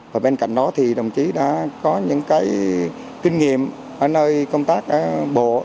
và bên cạnh đó thì đồng chí đã có những cái kinh nghiệm ở nơi công tác ở bộ